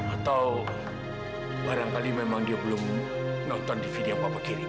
atau barangkali memang dia belum nonton dvd yang papa kirim